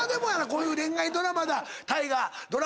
こういう恋愛ドラマだ大河ドラマだ